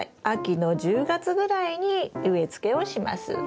秋の１０月ぐらいに植え付けをします。